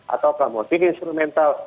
atau motif instrumental